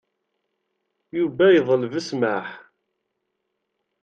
Yuba yeḍleb ssmaḥ